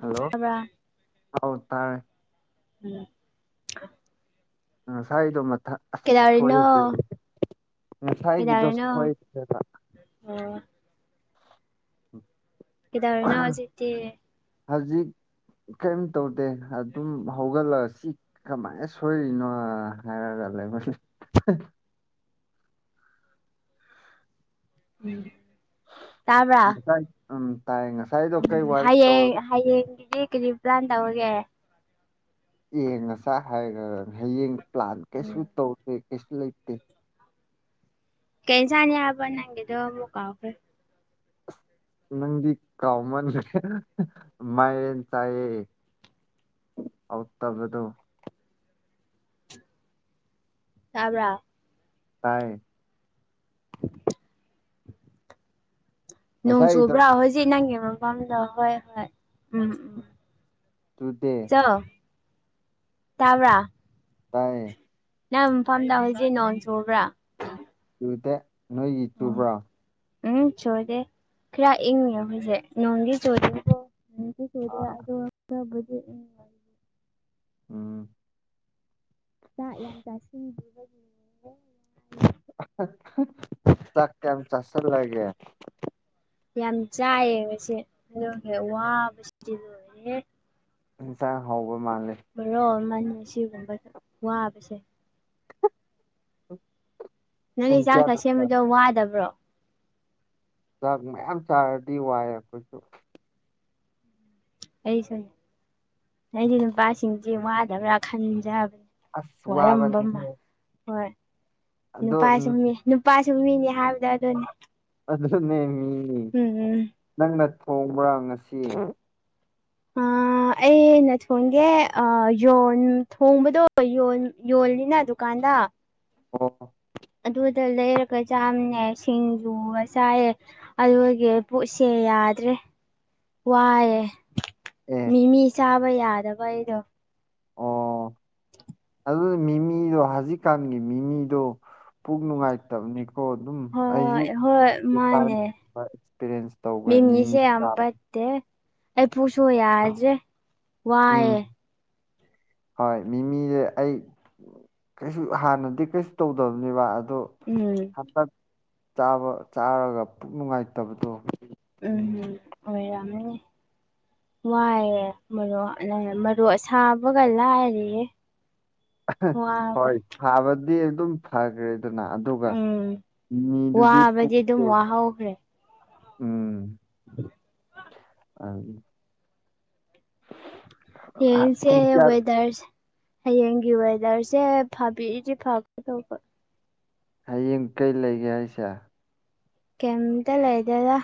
hello ꯇꯥꯕ꯭ꯔꯥ ꯑꯧ ꯇꯥꯔꯦ ꯎꯝ ꯉꯁꯥꯏꯗꯣ ꯃꯊꯛ ꯑꯁ ꯀꯩꯗꯧꯔꯤꯅꯣ ꯊꯣꯏꯈ꯭ꯔꯦ ꯉꯁꯥꯏꯒꯤꯗꯣ ꯁꯣꯏꯈ꯭ꯔꯦꯕ ꯎꯝ ꯎꯝ ꯀꯧꯗꯧꯔꯤꯅꯣ ꯍꯧꯖꯤꯛꯇꯤ ꯍꯧꯖꯤꯛ ꯀꯔꯤꯝ ꯇꯧꯗꯦ ꯑꯗꯨꯝ ꯍꯧꯒꯠꯂ ꯑꯁꯤ ꯀꯃꯥꯏꯅ ꯁꯣꯏꯔꯤꯅꯣ ꯍꯥꯏꯔꯒ ꯂꯩꯕꯅꯦ ꯎꯝ ꯇꯥꯕ꯭ꯔꯥ ꯉꯁꯥꯏ ꯎꯝ ꯇꯥꯏ ꯉꯁꯥꯏꯗꯣ ꯎꯝ ꯀꯩ ꯋꯥꯔꯤ ꯍꯌꯦꯡ ꯇꯧꯔ ꯍꯌꯦꯡ ꯒꯤꯗꯤ ꯀꯔꯤꯝ ꯄ꯭ꯂꯥꯟ ꯇꯧꯔꯒꯦ ꯌꯦꯡ ꯉꯁꯥꯏ ꯍꯥꯏꯔꯒ ꯍꯌꯦꯡ ꯄ꯭ꯂꯥꯟ ꯀꯩꯁꯨ ꯇꯧꯗꯦ ꯀꯩꯁꯨ ꯂꯩꯇꯦ ꯀꯩ ꯑꯦꯟꯁꯥꯡꯅꯤ ꯍꯥꯏꯕ꯭ꯔꯥ ꯅꯪꯒꯤꯗꯣ ꯑꯃꯨꯛ ꯀꯥꯎꯈ꯭ꯔꯦ ꯅꯪꯗꯤ ꯀꯥꯎꯃꯟꯒ꯭ꯔꯦ ꯃꯥꯏꯔꯦꯟ ꯆꯥꯏꯌꯦ ꯍꯥꯎꯇꯕꯗꯣ ꯇꯥꯕ꯭ꯔꯥ ꯇꯥꯏꯌꯦ ꯅꯣꯡ ꯉꯁꯥꯏꯗꯣ ꯆꯨꯕ꯭ꯔꯥ ꯍꯧꯖꯤꯛ ꯅꯪꯒꯤ ꯃꯐꯝꯗꯣ ꯍꯣꯏ ꯍꯣꯏ ꯎꯝ ꯎꯝ ꯆꯨꯗꯦ ꯂꯣ ꯇꯥꯕ꯭ꯔꯥ ꯇꯥꯢꯌꯦ ꯅꯪ ꯃꯐꯝꯗ ꯍꯧꯖꯤꯛ ꯅꯣꯡ ꯆꯨꯔꯕ꯭ꯔꯥ ꯆꯨꯗꯦ ꯅꯣꯢꯒꯤ ꯎꯝ ꯆꯨꯕ꯭ꯔꯥ ꯎꯝ ꯆꯨꯗꯦ ꯈꯔ ꯏꯪꯉ ꯍꯧꯖꯤꯁꯦ ꯅꯣꯡꯗꯤ ꯆꯣꯗꯦꯕꯣ ꯑꯥ [unintelligible] ꯎꯝ ꯆꯥꯛ ꯌꯥꯝ ꯆꯥꯁꯤꯟꯕꯤꯕꯒꯤ [unintelligible] ꯆꯥꯛ ꯀꯌꯥꯝ ꯆꯁꯜ ꯂꯒꯦ ꯌꯥꯝ ꯆꯥꯢꯌꯦꯕꯁꯦ ꯑꯗꯨꯒ ꯋꯥꯕꯁꯤꯗꯤ ꯂꯣꯢꯔꯦ ꯏꯟꯖꯥꯡ ꯍꯧꯕ ꯃꯥꯥꯟꯂꯦ ꯕꯣꯔꯣ ꯑꯃꯅꯤꯜ ꯁꯤꯒꯨꯝꯕ ꯋꯥꯕꯁꯦ [inaudible] ꯅꯪꯒꯤ ꯆꯥꯛꯇꯥ ꯀꯌꯥꯗ ꯆꯥꯛ ꯁꯦꯝꯕꯗꯣ ꯋꯥꯗꯕ꯭ꯔꯣ ꯆꯥꯛ ꯃꯌꯥꯝ ꯆꯥꯔꯗꯤ ꯋꯥꯏꯑꯦ ꯑꯩꯈꯣꯢꯁꯨ ꯑꯩꯁꯨ ꯑꯩꯗꯤ ꯅꯨꯄꯥꯁꯤꯡꯁꯦ ꯋꯥꯗꯕ꯭ꯔꯥ ꯈꯟꯖꯕ ꯑꯁ ꯋꯥꯔꯝꯕꯝꯕ ꯋꯥꯕꯅꯤꯅꯦ ꯍꯣꯢ ꯑꯗꯣ ꯎꯝ ꯅꯨꯄꯥꯁꯨ ꯃꯤ ꯅꯨꯄꯥꯁꯨ ꯃꯤꯅꯤ ꯍꯥꯢꯕꯗꯣ ꯑꯗꯨꯅꯦ ꯑꯗꯨꯅꯦ ꯃꯤ ꯎꯝ ꯎꯝ ꯅꯪꯅ ꯊꯣꯡꯕ꯭ꯔꯥ ꯉꯁꯤ ꯑꯥ ꯑꯩꯩꯅ ꯊꯣꯡꯒꯦ ꯑꯥ ꯌꯣꯟ ꯊꯣꯡꯕꯗꯣ ꯌꯣꯜ ꯌꯣꯜꯂꯤꯅꯦ ꯗꯨꯀꯥꯟꯗ ꯑꯣ ꯑꯗꯨꯗ ꯂꯩꯔꯒ ꯆꯥꯝꯃꯅꯦ ꯁꯤꯡꯖꯨꯒ ꯆꯥꯢꯌꯦ ꯑꯗꯨꯒꯤ ꯄꯨꯛꯁꯦ ꯌꯥꯗ꯭ꯔꯦ ꯋꯥꯢꯑꯦ ꯑꯦ ꯃꯤ ꯃꯤ ꯆꯥꯕ ꯌꯥꯗꯕ ꯑꯩꯗꯣ ꯑꯣ ꯑꯗꯨ ꯃꯤꯃꯤꯗꯣ ꯍꯧꯖꯤꯛꯀꯥꯟꯒꯤ ꯃꯤꯃꯤꯗꯣ ꯄꯨꯛ ꯅꯨꯡꯉꯥꯢꯇꯕꯅꯦ ꯑꯣ ꯑꯗꯨꯝ ꯑꯩꯁꯨ ꯍꯣꯏ ꯍꯣꯏ [unintelligible] ꯃꯥꯅꯦ ꯑꯦꯛꯁꯄꯔꯌꯦꯟꯁ ꯇꯧꯈ꯭ꯔꯦ ꯃꯤ ꯃꯤꯃꯤ [unintelligible] ꯇꯦꯑꯦ ꯑꯩ ꯄꯨꯁꯨ ꯌꯥꯗ꯭ꯔꯦ ꯎꯝ ꯋꯥꯏꯑꯦ ꯍꯣꯢ ꯃꯤꯃꯤꯖꯦ ꯑꯩ ꯀꯩꯁꯨ ꯍꯥꯟꯅꯗꯤ ꯀꯩꯁꯨ ꯇꯧꯗꯕꯅꯦꯕ ꯑꯗꯣ ꯎꯝ ꯍꯟꯗꯛ ꯆꯥꯕ ꯆꯥꯔꯒ ꯄꯨꯛ ꯅꯨꯡꯉꯥꯢꯇꯕꯗꯣ ꯎꯝꯍꯨꯝ ꯑꯣꯢ ꯃꯅꯦ ꯋꯥꯢꯑꯦ ꯃꯔꯣꯛ ꯃꯔꯣꯛ ꯑꯁꯥꯕꯒ ꯂꯥꯢꯔꯌꯦ ꯍꯣꯢ ꯊꯥꯕꯗꯤ ꯑꯗꯨꯝ ꯐꯈ꯭ꯔꯦꯗꯅ ꯎꯝ ꯋꯥꯕꯗꯤ ꯑꯗꯨꯝ ꯋꯥꯍꯧꯈ꯭ꯔꯦ [unintelligible] ꯑ ꯌꯦꯁꯦ ꯄꯨꯡ ꯀꯌꯥ ꯋꯦꯗꯔꯁꯦ ꯍꯌꯦꯡꯒꯤ ꯋꯦꯗꯔꯁꯦ ꯐꯥꯕꯤꯔꯤꯗꯤ ꯐꯒꯗꯧꯕ ꯍꯌꯦꯡ ꯀꯩ ꯂꯩꯒꯦ ꯍꯥꯢꯁꯦ ꯀꯩꯇ ꯂꯩꯗꯦꯗ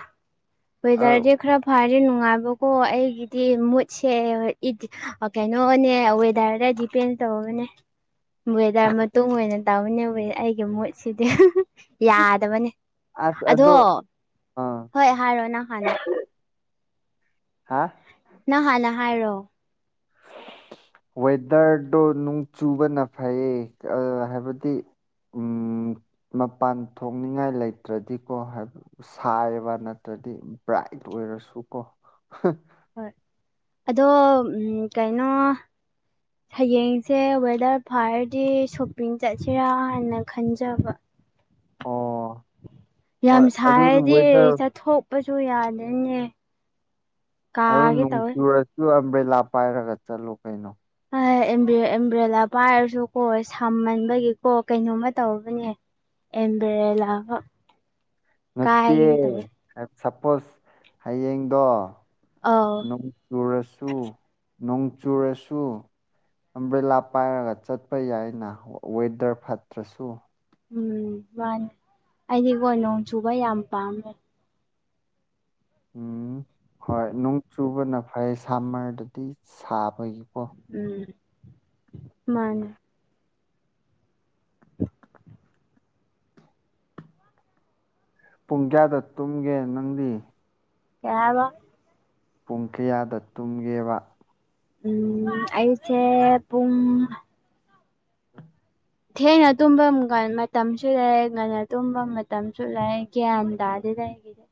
ꯑꯧ ꯋꯦꯗꯔꯗꯤ ꯈꯔ ꯐꯔꯦ ꯅꯨꯡꯉꯥꯢꯕꯀꯣ ꯑꯩꯒꯤꯗꯤ ꯃꯨꯠꯁꯦ [unintelligible] ꯀꯩꯅꯣꯅꯦ ꯋꯦꯗꯔꯗꯗꯤ ꯄꯦꯟ ꯇꯧꯕꯅꯦ ꯋꯦꯗꯔ ꯃꯇꯨꯡ ꯑꯣꯢꯅ ꯇꯧꯋꯦꯅꯦ ꯑꯩꯒꯤ ꯃꯣꯠꯁꯤꯗꯤ ꯌꯥꯗꯕꯅꯦ ꯑꯗꯣ ꯑꯥ ꯍꯣꯏ ꯍꯥꯏꯔꯣ ꯅꯪ ꯍꯥꯟꯅ ꯍꯥ ꯅꯪ ꯍꯥꯟꯅ ꯍꯥꯏꯔꯣ ꯋꯦꯗꯔꯗꯣ ꯅꯣꯡ ꯆꯨꯕꯅ ꯐꯩꯌꯦ [unintelligible] ꯍꯥꯏꯕꯗꯤ ꯎꯝ ꯃꯄꯥꯟ ꯊꯣꯛꯅꯤꯡꯉꯥꯏ ꯂꯩꯇ꯭ꯔꯗꯤꯀꯣ ꯍꯥꯏꯕ ꯁꯥꯏꯌꯦꯕ ꯅꯠꯇ꯭ꯔꯗꯤ ꯕ꯭ꯔꯥꯏꯠ ꯑꯣꯏꯔꯁꯨ ꯀꯣ ꯍꯣꯏ ꯑꯗꯣ ꯎꯝ ꯀꯩꯅꯣ ꯍꯌꯦꯡꯁꯦ ꯋꯦꯗ꯭ꯔ ꯐꯥꯔꯗꯤ ꯁꯣꯞꯄꯤꯡ ꯆꯠꯁꯤꯔꯥ ꯍꯥꯏꯅ ꯈꯟꯖꯕ ꯑꯣ ꯌꯥꯝ ꯍꯣꯏ ꯑꯗꯨ ꯁꯥꯏꯔꯗꯤ ꯋꯦꯗꯔ ꯆꯠꯊꯣꯛꯄꯁꯨ ꯌꯥꯗꯦꯅꯦ ꯑꯗꯨ ꯀꯥꯒꯦ ꯅꯣꯡ ꯇꯧꯋꯦ ꯆꯨꯔꯁꯨ ꯑꯝꯕ꯭ꯔꯦꯂꯥ ꯄꯥꯏꯔꯒ ꯆꯠꯂꯣ ꯀꯩꯅꯣ ꯍꯥꯏ ꯑꯦꯝ ꯑꯦꯝꯕ꯭ꯔꯦꯂꯥ ꯄꯥꯏꯔꯁꯨꯀꯣ ꯁꯃꯟꯕꯒꯤꯀꯣ ꯀꯩꯅꯣꯝꯃ ꯇꯧꯒ꯭ꯔꯦꯅꯦ ꯑꯦꯟꯕꯔꯦꯂꯥ ꯅꯠꯇꯦ ꯁꯄꯣꯁ ꯍꯌꯦꯡꯗꯣ ꯑꯧ ꯅꯨ ꯆꯨꯔꯁꯨ ꯅꯣꯡ ꯆꯨꯔꯁꯨ ꯑꯝꯕ꯭ꯔꯦꯂꯥ ꯄꯥꯏꯔꯒ ꯆꯠꯄ ꯌꯥꯏꯅ ꯋꯦꯗ꯭ꯔ ꯐꯠꯇ꯭ꯔꯁꯨ ꯎꯝ ꯃꯥꯅꯤ ꯑꯩꯗꯤꯒꯣ ꯅꯣꯡ ꯆꯨꯕ ꯌꯥꯝ ꯄꯥꯝꯃꯦ ꯎꯝ ꯍꯣꯏ ꯅꯣꯡ ꯆꯨꯕꯅ ꯐꯩ ꯁꯥꯝꯃꯔꯗꯗꯤ ꯁꯥꯕꯒꯤꯀꯣ ꯎꯝ ꯃꯥꯅꯦ ꯄꯨꯡ ꯀꯌꯥꯗ ꯇꯨꯝꯒꯦ ꯅꯪꯗꯤ ꯀꯩꯍꯥꯏꯕ ꯄꯨꯡ ꯀꯌꯥꯗ ꯇꯨꯝꯒꯦꯕ ꯎꯝ ꯑꯩꯁꯦ ꯄꯨꯡ [unintelligible] ꯊꯦꯡꯅ ꯇꯨꯝꯐꯝ ꯒ ꯃꯇꯝꯁꯨ ꯂꯩ ꯉꯟꯅ ꯇꯨꯝꯐꯝ ꯃꯇꯝꯁꯨ ꯂꯩꯑꯦ ꯒ꯭ꯌꯥꯟ ꯇꯥꯗꯦꯗ ꯑꯩꯒꯤꯗꯤ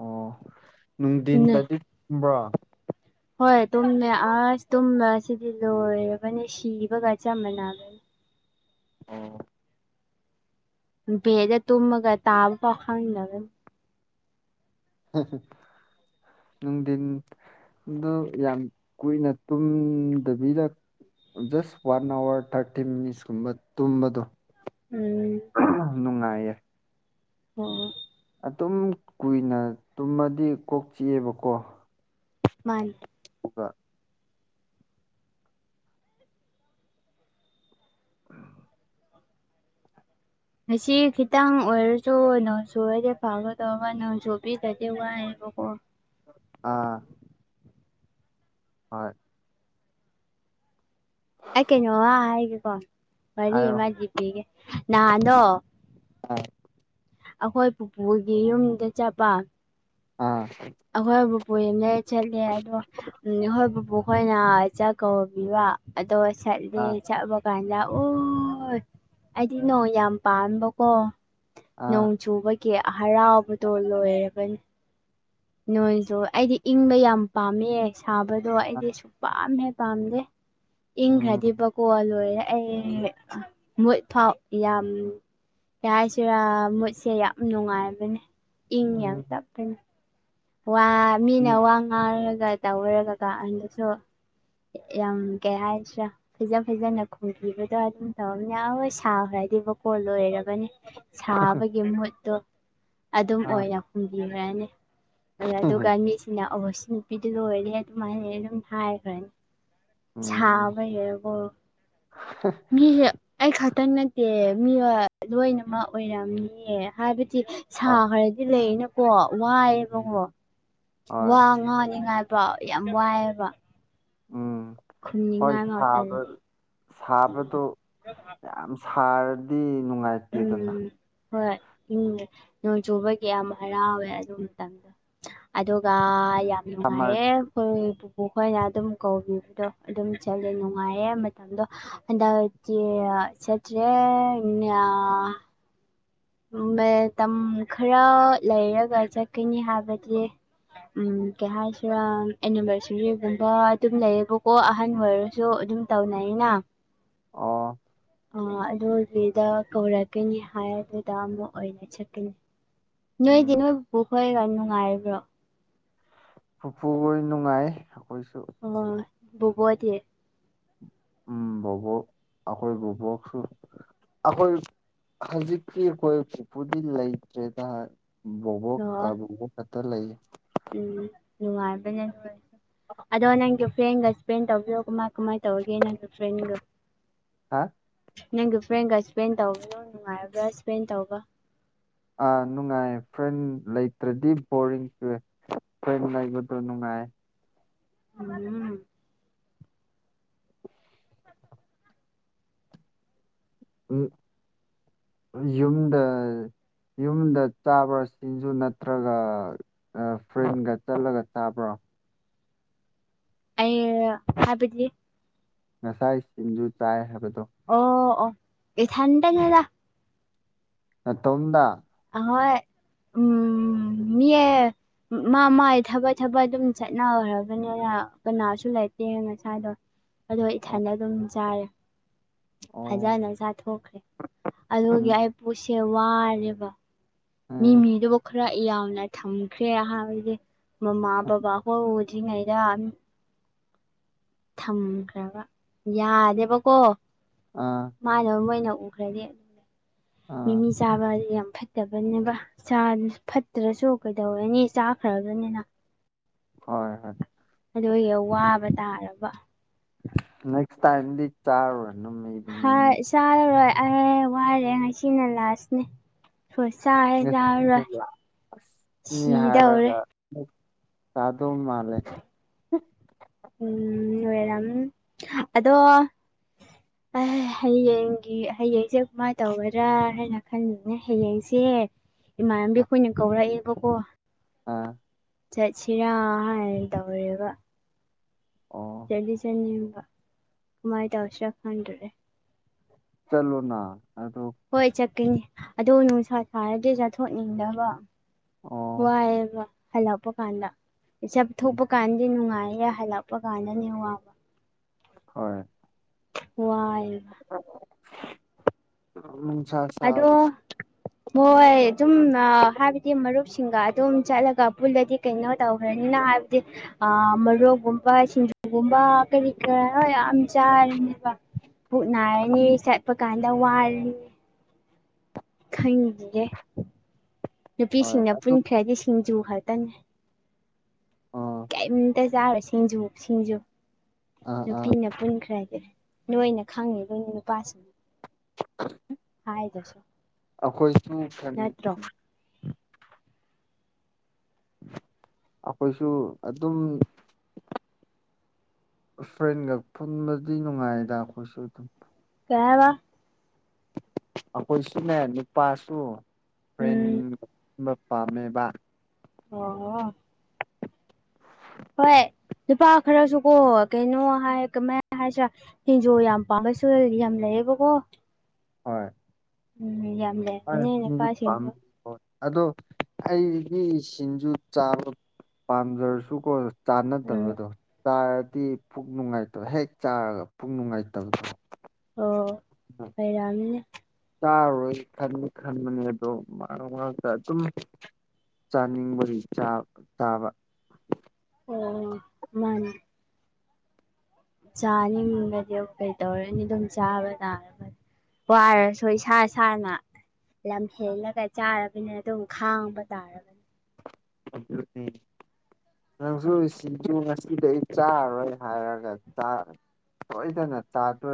ꯑꯣ ꯎꯝ ꯅꯨꯡꯗꯤꯟꯗꯗꯤ ꯇꯨꯝꯕ꯭ꯔꯣ ꯍꯣꯏ ꯇꯨꯝꯃꯦ ꯑꯁ ꯇꯨꯝ ꯑꯁꯤꯗꯤ ꯂꯣꯏꯔꯕꯅꯦ ꯁꯤꯕꯒ ꯆꯞ ꯃꯥꯟꯅꯕ ꯑꯣ ꯄꯦꯗ ꯇꯨꯝꯃꯒ ꯇꯥꯕ ꯐꯥꯎ ꯈꯪꯗꯕꯅꯤ ꯅꯨꯡꯗꯤꯟ ꯑꯗꯣ ꯌꯥꯝ ꯀꯨꯏꯅ ꯇꯨꯝꯗꯕꯤꯗ ꯖꯁ ꯋꯥꯟ ꯑꯋꯥꯔ ꯊꯥꯔꯇꯤ ꯃꯤꯅꯤꯠꯁꯀꯨꯝꯕ ꯇꯨꯝꯕꯗꯣ ꯎꯝ ꯅꯨꯡꯉꯥꯏꯌꯦ ꯑꯣ ꯑꯗꯨꯝ ꯀꯨꯏꯅ ꯇꯨꯝꯃꯗꯤ ꯀꯣꯛ ꯆꯤꯛꯑꯦꯕꯀꯣ ꯃꯥꯅꯤ ꯑꯗꯨꯒ [inaudible] ꯉꯁꯤ ꯈꯤꯇꯪ ꯑꯣꯏꯔꯁꯨ ꯅꯣꯡꯁꯨꯨꯔꯗꯤ ꯐꯥꯒꯗꯒ ꯅꯣꯡꯁꯨꯨꯕꯤꯗꯗꯤ ꯋꯥꯏ ꯕꯀꯣ ꯑꯥ ꯍꯣꯏ ꯑꯩ ꯀꯩꯅꯣꯃ ꯍꯥꯏꯒꯦꯀꯣ ꯋꯥꯔꯤ ꯍꯥꯏꯌꯣ ꯑꯃꯗꯤ ꯄꯤꯒꯦ ꯅꯍꯥꯟꯗꯣ ꯑꯥ ꯑꯈꯣꯏ ꯄꯨꯄꯨꯒꯤ ꯌꯨꯝꯗ ꯆꯠꯄ ꯑꯥ ꯑꯩꯈꯣꯏ ꯕꯨꯄꯨ ꯍ‌ꯣꯏꯅ ꯆꯠꯂꯦ ꯑꯗꯣ ꯑꯩꯈꯣꯏ ꯕꯨꯕ‌ꯣꯛꯈꯣꯏꯅ ꯆꯥꯛ ꯀꯧꯕꯤꯕ ꯑꯗꯣ ꯆꯠꯂꯦ ꯑꯥ ꯆꯠꯄ ꯀꯥꯟꯗ ꯑꯣ ꯑꯩꯗꯤ ꯅꯣꯡ ꯌꯥꯝ ꯄꯥꯝꯕꯀꯣ ꯑꯥ ꯅꯣꯡ ꯆꯨꯕꯒꯤ ꯀꯦ ꯍꯔꯥꯎꯕꯗꯣ ꯂꯣꯏꯔꯕꯅꯤ ꯅꯣꯏꯁꯨ ꯑꯩꯗꯤ ꯏꯪꯕ ꯌꯥꯝ ꯄꯥꯝꯃꯦ ꯁꯥꯕꯗꯣ ꯑꯥ ꯑꯩꯗꯤ ꯁꯨꯛꯄꯥꯝ ꯍ‌ꯦꯛ ꯄꯥꯝꯗꯦ ꯎꯝ ꯏꯪꯈ꯭ꯔꯗꯤꯕꯀꯣ ꯂꯣꯏꯔꯦ ꯑꯩ ꯃꯨꯠ ꯐꯥꯎ ꯌꯥꯝ ꯌꯥ ꯍꯥꯏꯁꯤꯔꯥ ꯃꯨꯠꯁꯦ ꯌꯥꯝ ꯅꯨꯡꯉꯥꯏꯕꯅꯦ ꯏꯪ ꯌꯥꯝ ꯎꯝ ꯇꯞꯄꯅ‌ꯦ ꯋꯥ ꯃꯤꯅ ꯎꯝ ꯋꯥ ꯉꯥꯡꯔꯒ ꯇꯧꯔꯒ ꯀꯥꯟꯗꯁꯨ ꯌꯥꯝ ꯀꯩ ꯍꯥꯏꯁꯤꯔꯥ ꯐꯖ ꯐꯖꯅ ꯈꯨꯝꯈꯤꯕꯗ ꯑꯗꯨꯝ ꯇꯧꯔꯝꯃꯗꯤ ꯌꯥꯎꯣꯏ ꯁꯥꯈ꯭ꯔꯕꯗꯤꯕꯀꯣ ꯂꯣꯏꯔꯕꯅꯤ ꯁꯥꯕꯒꯤ ꯃꯍꯨꯠꯇꯣ ꯑꯗꯨꯝ ꯑꯥ ꯑꯣꯏꯅ ꯍꯨꯝꯕꯤꯔꯅꯤ ꯑ ꯑꯗꯨꯒ ꯎꯝ ꯃꯤꯁꯤꯅ ꯑꯣꯍ ꯁꯤ ꯅꯨꯄꯤꯗꯨꯅ ꯑꯣꯏꯔꯦ ꯑꯗꯨꯃꯥꯏꯅ ꯑꯗꯨꯝ ꯍꯥꯏꯈ꯭ꯔꯅꯤ ꯎꯝ ꯁꯥꯕ ꯂ‌ꯣꯏꯔꯕ‌ꯣ ꯃꯤꯍ ꯑꯩ ꯈꯛꯇꯪ ꯅꯠꯇꯦ ꯃꯤ ꯂꯣꯏꯅꯃꯛ ꯑꯣꯏꯔꯝꯅꯤꯌ‌ꯦ ꯍꯥꯏꯕꯗꯤ ꯍꯣꯏ ꯁꯥꯈꯔꯗꯤ ꯂꯩꯅꯀꯣ ꯋꯥꯏꯑꯦꯕꯀꯣ ꯍꯣꯏ ꯋꯥ ꯉꯥꯡꯅꯤꯉꯥꯏꯕ ꯌꯥꯝ ꯋꯥꯏꯑꯦꯕ ꯎꯝ ꯍꯣꯏ ꯈꯨꯝꯅꯤꯡꯉꯥꯏ ꯉꯥꯎ ꯁꯥꯕ ꯇꯜꯂꯦ ꯁꯥꯕꯗꯣ ꯌꯥꯝ ꯁꯥꯔꯗꯤ ꯅꯨꯡꯉꯥꯏꯇꯦꯗꯅ ꯎꯝ ꯍꯣꯏ ꯎꯝ ꯅꯣꯡ ꯆꯨꯕꯒꯤ ꯌꯥꯝ ꯍꯔꯥꯎꯋꯦ ꯑꯗꯨꯃꯇꯪ ꯑꯗꯨꯒ ꯌꯥꯝ ꯁꯝꯃꯔ ꯅꯨꯡꯉꯥꯏꯌꯦ ꯈꯣꯏ ꯄꯨꯄꯨꯈ‌ꯣꯏꯅ ꯑꯗꯨꯝ ꯀꯧꯕꯤꯕꯗꯣ ꯑꯗꯨꯝ ꯆꯠꯂꯦ ꯅꯨꯡꯉꯥꯏꯌ‌ꯦ ꯃꯇꯝꯗꯣ ꯍꯟꯗꯛꯇꯤ ꯆꯠꯇ꯭ꯔꯦ ꯃꯌꯥꯝ ꯃꯇꯝ ꯈꯔ ꯂꯩꯔꯒ ꯆꯠꯀꯅꯤ ꯍꯥꯏꯕꯗꯤ ꯎꯝ ꯀꯩ ꯍꯥꯏꯁꯤꯔꯥ ꯑꯦꯅꯤꯚꯔꯁꯔꯤꯒꯨꯝꯕ ꯑꯗꯨꯝ ꯂꯩꯌꯦꯕꯀꯣ ꯑꯍꯟ ꯑꯣꯏꯔꯁꯨ ꯑꯗꯨꯝ ꯇꯧꯅꯩꯅ ꯑ ꯑ ꯑꯗꯨꯒꯤꯗ ꯀꯧꯔꯛꯀꯅꯤ ꯍꯥꯏ ꯑꯗꯨꯗ ꯑꯃꯨꯛ ꯑꯣꯏꯅ ꯆꯠꯀꯅꯤ ꯅꯣꯏꯗꯤ ꯎꯝ ꯅꯣꯏ ꯕꯨꯕ‌ꯣꯛꯈꯣꯏꯒ ꯅꯨꯡꯉꯥꯏꯔꯤꯕ꯭ꯔꯣ ꯄꯨꯄꯨꯍ‌ꯣꯏ ꯅꯨꯡꯉꯥꯏ ꯑꯩꯈꯣꯏꯁꯨ ꯑ ꯕꯨꯕ‌ꯣꯛꯍ‌ꯣꯏꯗꯤ ꯎꯝ ꯕꯨꯕ‌ꯣꯛ ꯑꯈꯣꯏ ꯕꯨꯕ‌ꯣꯛꯁꯨ ꯑꯩꯈꯣꯏ ꯍꯧꯖꯤꯛꯇꯤ ꯑꯩꯈꯣꯏ ꯄꯨꯄꯨꯗꯤ ꯂꯩꯇ꯭ꯔꯦꯗ ꯍꯥꯏ ꯕꯣꯕꯣꯛ ꯑꯣ ꯑ ꯕꯣꯕꯣꯛ ꯈꯛꯇ ꯂꯩꯌꯦ ꯎꯝ ꯅꯨꯡꯉꯥꯏꯕꯅꯦ ꯑꯗꯣ ꯅꯪꯗꯤ ꯐ꯭ꯔꯦꯟꯒ ꯐ꯭ꯔ‌ꯦꯟ ꯇꯧꯕꯤꯌꯣ ꯀꯃꯥꯏ ꯀꯃꯥꯏ ꯇꯒꯦꯅ ꯐ꯭ꯔꯦꯟꯒ ꯍꯥ ꯅꯪꯒꯤ ꯐ꯭ꯔꯦꯟꯒ ꯏꯁꯄꯦꯟ ꯇꯧꯕꯗ‌ꯣ ꯅꯨꯡꯉꯥꯏꯔꯕ꯭ꯔꯥ ꯏꯁꯄꯦꯟ ꯇꯧꯕ ꯑꯥ ꯅꯨꯡꯉꯥꯏ ꯐ꯭ꯔꯦꯟ ꯂꯩꯇ꯭ꯔꯗꯤ ꯕꯣꯔꯤꯡ ꯆꯨꯏꯌ‌ꯦ ꯐ꯭ꯔ‌ꯦꯟ ꯂꯩꯕꯗ‌ꯣ ꯅꯨꯡꯉꯥꯏꯌ‌ꯦ ꯎꯝ ꯎꯝ ꯌꯨꯝꯗ ꯌꯨꯝꯗ ꯆꯥꯕꯁꯤꯡꯖꯨ ꯅꯠꯇ꯭ꯔꯒ ꯑ ꯐ꯭ꯔꯦꯟꯒ ꯆꯠꯂꯒ ꯆꯥꯕ꯭ꯔꯣ ꯑꯩ ꯍꯥꯏꯕꯗꯤ ꯉꯁꯥꯏ ꯁꯤꯡꯖꯨ ꯆꯥꯏ ꯍꯥꯏꯕꯗꯣ ꯑꯣ ꯑꯣ ꯏꯊꯟꯇꯅꯦꯗꯥ ꯅꯇꯣꯝꯗ ꯑꯍꯣꯏ ꯎꯝ ꯃꯤ ꯑꯥ ꯃꯥ ꯃꯥꯏ ꯊꯕꯛ ꯊꯕꯛ ꯑꯗꯨꯝ ꯆꯠꯅꯈ꯭ꯔꯕꯅꯤꯅ ꯀꯅꯥꯁꯨ ꯂꯩꯇꯦ ꯉꯁꯥꯏꯗꯣ ꯑꯗꯣ ꯏꯊꯟꯗ ꯑꯣ ꯑꯗꯨꯝ ꯆꯥꯔꯦ ꯑꯣ ꯐꯖꯅ ꯆꯥꯊꯣꯛꯈ꯭ꯔꯦ ꯎꯝ ꯑꯗꯨꯒꯤ ꯑꯩ ꯄꯣꯠꯁꯦ ꯋꯥꯔꯦꯕ ꯃꯤ ꯎꯝ ꯃꯤꯗꯨꯕꯨ ꯈꯔ ꯌꯥꯝꯅ ꯊꯝꯈ꯭ꯔꯦ [unintelligible] ꯃꯃꯥ ꯕꯕꯥ ꯍꯣꯏ ꯎꯗ꯭ꯔꯤꯉꯩꯗ ꯊꯝꯈ꯭ꯔꯕ ꯌꯥꯗꯦꯕꯀꯣ ꯑꯥ ꯃꯥꯟꯅ ꯃꯣꯏꯅ ꯎꯈ꯭ꯔꯗꯤ ꯑꯥ ꯃꯤꯃꯤ ꯆꯥꯕ ꯌꯥꯝ ꯐꯠꯇꯕꯅꯦꯕ ꯆꯥꯔꯥ ꯐꯠꯇ꯭ꯔꯁꯨ ꯀꯩꯗꯧꯔꯅꯤ ꯆꯥꯈ꯭ꯔꯕꯅꯤꯅ ꯍꯣꯏ ꯍꯣꯏ ꯑꯗꯨꯒꯤ ꯋꯥꯕ ꯇꯥꯔꯕ ꯅꯦꯛꯁ ꯇꯥꯏꯝꯗꯤ ꯆꯥꯔꯨꯔꯅꯨ ꯃꯤ ꯍꯥ ꯃꯤ ꯆꯥꯔꯔꯣꯏ ꯑꯦ ꯋꯥꯏꯔꯦ ꯉꯁꯤꯅ ꯂꯥꯁꯅꯦ ꯍꯣꯏ ꯆꯥ [unintelligible] ꯅꯤ ꯁꯤꯗꯧꯔꯦ ꯍꯥꯏꯔꯒ [unintelligible] ꯎꯝ ꯅꯣꯏꯔꯝ ꯑꯗꯣ [inaudible] ꯑꯩ ꯍꯌꯦꯡꯒꯤ ꯍꯌꯦꯡꯁꯦ ꯀꯃꯥꯏꯅ ꯇꯧꯒꯗ꯭ꯔꯥ ꯍꯥꯏꯅ ꯈꯟꯕꯅꯦ ꯍꯌꯦꯡꯁꯦ ꯏꯃꯥꯟꯅꯕꯤ ꯈꯣꯏꯅ ꯀꯧꯔꯛꯑꯦꯕꯀꯣ ꯑꯥ ꯆꯠꯁꯤꯔꯥ ꯍꯥꯏꯔ ꯇꯧꯔꯦꯕ ꯑꯣ ꯆꯇꯤ ꯆꯠꯅꯤꯡꯕ ꯀꯃꯥꯏ ꯇꯧꯁꯤꯔ ꯈꯪꯗ꯭ꯔꯦ ꯆꯠꯂꯣꯅ ꯑꯗꯣ ꯍꯣꯏ ꯆꯠꯀꯅꯤ ꯑꯗꯣ ꯅꯨꯡꯁꯥ ꯁꯥꯔꯗꯤ ꯆꯥꯊꯣꯛꯅꯤꯡꯗꯕ ꯑꯣ ꯋꯥꯏꯌꯦꯕ ꯍꯂꯥꯛꯄꯀꯥꯟꯗ ꯆꯠꯊꯣꯛꯄ ꯀꯥꯟꯗꯤ ꯅꯨꯡꯉꯥꯏꯌꯦ ꯍꯜꯂꯛꯄꯀꯥꯟꯗꯅꯦ ꯋꯥꯕ ꯍꯣꯏ ꯋꯥꯏ [unintelligible] ꯅꯨꯡꯁꯥ ꯁꯥꯕꯁꯤ ꯍꯣꯏ ꯑꯗꯨꯝꯅ ꯍꯥꯏꯕꯗꯤ ꯃꯔꯨꯞꯁꯤꯡꯒ ꯑꯗꯨꯝ ꯆꯠꯂꯒ ꯄꯨꯜꯂꯗꯤ ꯀꯩꯅꯣ ꯇꯧꯈ꯭ꯔꯅꯤꯅ ꯍꯥꯏꯕꯗꯤ ꯑ ꯃꯔꯣꯛꯒꯨꯝꯕ ꯁꯤꯡꯖꯨꯒꯨꯝꯕ ꯀꯔꯤ ꯀꯔꯥ ꯂꯣꯏ ꯌꯥꯝ ꯆꯥꯔꯥꯅꯤꯕ ꯄꯨꯛ ꯅꯥꯔꯅꯤ ꯆꯠꯄꯀꯥꯟꯗ ꯋꯥꯔꯅꯤ ꯈꯟꯒꯤꯒꯦ ꯍꯣꯏ ꯅꯨꯄꯤꯁꯤꯡꯅ ꯑꯗꯨꯝ ꯄꯨꯟꯈ꯭ꯔꯗꯤ ꯁꯤꯡꯖꯨ ꯈꯛꯇꯅꯦ ꯑꯣ ꯀꯩꯝꯇ ꯆꯥꯔꯣꯏ ꯁꯤꯡꯖꯨ ꯁꯤꯡꯖꯨ ꯑꯥ ꯑꯥ ꯅꯨꯄꯤꯅ ꯄꯨꯟꯈ꯭ꯔꯗꯤ ꯅꯣꯏꯅ ꯈꯪꯉꯤꯗꯨꯅꯤ ꯅꯨꯄꯥꯁꯤꯡ ꯍꯥꯏꯗ꯭ꯔꯁꯨ ꯑꯩꯈꯣꯏꯁꯨ ꯈꯪꯉꯤ ꯅꯠꯇ꯭ꯔꯣ [unintelligible] ꯑꯩꯈꯣꯏꯁꯨ ꯑꯗꯨꯝ ꯐ꯭ꯔꯦꯟꯒ ꯄꯨꯟꯕꯗꯤ ꯅꯨꯡꯉꯥꯏꯗ ꯑꯩꯈꯣꯏꯁꯨ ꯑꯗꯨꯝ ꯀꯩ ꯍꯥꯏꯕꯥ ꯑꯩꯈꯣꯏꯁꯨꯅꯦ ꯅꯨꯄꯥꯁꯨ ꯐ꯭ꯔꯦꯟ ꯎꯝ [unintelligible] ꯄꯥꯝꯃꯦꯕ ꯑꯣ ꯑꯣ ꯍꯣꯏ ꯅꯨꯨꯄꯥ ꯈꯔꯁꯨꯀꯣ ꯀꯩꯅꯣ ꯍꯥꯏ ꯀꯃꯥꯏ ꯍꯥꯏꯁꯤꯔꯥ ꯁꯤꯟꯖꯨ ꯌꯥꯝ ꯄꯥꯝꯕꯁꯨ ꯌꯥꯝ ꯂꯩꯌꯦꯕꯀꯣ ꯍꯣꯏ ꯎꯝ ꯌꯥꯝ ꯂꯩ ꯍꯣꯏ ꯇꯤꯟꯖꯨ ꯄꯥꯝ ꯍꯣꯏ ꯑꯗꯣ ꯑꯩꯗꯤ ꯁꯤꯡꯖꯨ ꯆꯥꯕ ꯄꯥꯝꯖꯔꯁꯨꯀꯣ ꯎꯝ ꯆꯥꯟꯅꯗꯕꯗꯣ ꯆꯥꯔꯗꯤ ꯄꯨꯛ ꯅꯨꯡꯉꯥꯏꯇꯕ ꯍꯦꯛ ꯆꯥꯔꯒ ꯄꯨꯛ ꯅꯨꯡꯉꯥꯏꯇꯕꯗꯣ ꯑꯣ ꯂꯩꯩꯔꯝꯅꯤꯅꯦ ꯆꯥꯔꯔꯣꯏ ꯈꯟꯅꯤ ꯈꯟꯕꯅꯦ ꯑꯗꯣ ꯃꯔꯛ ꯃꯔꯛꯇ ꯑꯗꯨꯝ ꯆꯥꯅꯤꯡꯕꯒꯤ ꯆꯥ ꯆꯥꯕ ꯑꯣ ꯃꯥꯅꯦ ꯆꯥꯅꯤꯡꯔꯗꯤ ꯑꯈꯣꯏ ꯇꯧꯔꯅꯤ ꯑꯗꯨꯝ ꯆꯥꯕ ꯇꯥꯔꯒ ꯋꯥꯔꯁꯨ ꯏꯁꯥ ꯏꯁꯥꯅ ꯂꯝꯍꯦꯟꯂꯒ ꯆꯥꯔꯕꯅꯤꯅ ꯑꯗꯨꯝ ꯈꯥꯡꯕ ꯇꯥꯔꯕ ꯑꯗꯨꯅꯦ ꯅꯪꯁꯨ ꯁꯤꯡꯖꯨ ꯉꯁꯤꯗꯩ ꯆꯥꯔꯔꯣꯏ ꯍꯥꯏꯔꯒꯥ ꯆꯥ ꯁꯣꯏꯗꯅ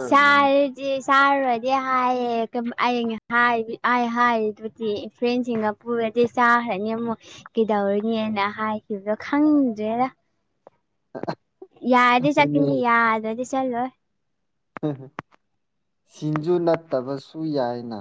ꯆꯥꯔꯗꯤ ꯆꯥꯔꯨꯔꯗꯤ ꯍꯥꯏꯌꯦ ꯀꯝ ꯑꯩ ꯍꯥꯏꯔꯤ ꯑꯩ ꯍꯤꯏꯔꯤꯗꯨꯗꯤ ꯐ꯭ꯔꯦꯟꯁꯤꯡꯒ ꯄꯨꯔꯗꯤ ꯆꯥꯈ꯭ꯔꯅꯤ ꯑꯃꯨꯛ ꯀꯩꯗꯧꯔꯤꯅꯤ ꯑꯩꯅ ꯍꯥꯏꯈꯤꯕꯗꯣ ꯈꯪꯗ꯭ꯔꯦꯗꯥ [unintelligible] ꯌꯥꯔꯗꯤ ꯑꯗꯨꯅꯦ ꯆꯠꯀꯅꯤ ꯌꯥꯗ꯭ꯔꯗꯤ ꯆꯠꯂꯣꯏ ꯁꯤꯡꯖꯨ ꯅꯠꯇꯕꯁꯨ ꯌꯥꯏꯅ